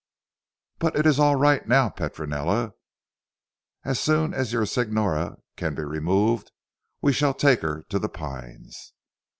"But it is all right now Petronella. As soon as your signora can be removed we shall take her to The Pines.